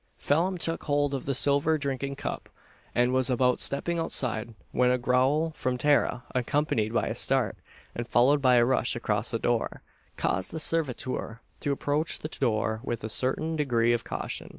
Phelim took hold of the silver drinking cup, and was about stepping outside, when a growl from Tara, accompanied by a start, and followed by a rush across the floor, caused the servitor to approach the door with a certain degree of caution.